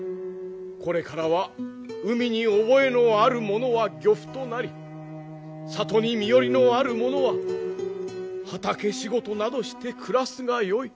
これからは海に覚えのある者は漁夫となり里に身寄りのある者は畑仕事などして暮らすがよい。